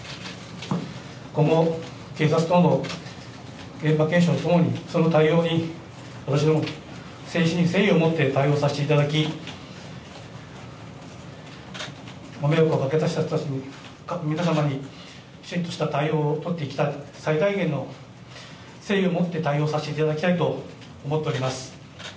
今後、警察等の現場検証等、その対応に、私ども、誠心誠意をもって対応させていただき、ご迷惑をおかけした皆様に、きちっとした対応を取っていきたい、最大限の誠意をもって対応させていただきたいと思っております。